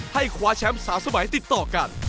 คว้าแชมป์๓สมัยติดต่อกัน